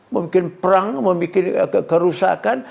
membuat perang membuat kerusakan